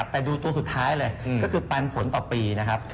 แต่ดูตัวสุดท้ายเลยก็คือปันผลต่อปีนะครับ